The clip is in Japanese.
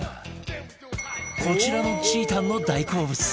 こちらもちーたんの大好物